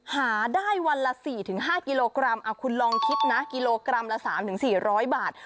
หาได้วันละ๔๕กิโลกรัมคุณลองคิดนะกิโลกรัมละ๓๔๐๐บาท